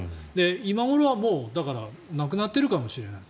今頃はもうなくなっているかもしれない。